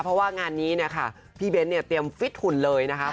เพราะว่างานนี้พี่เบนเตรียมฟิตถุนเลยนะคะ